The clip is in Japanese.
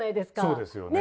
そうですよね。